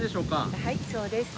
はいそうです。